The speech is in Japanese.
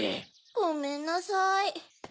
ごめんなさい。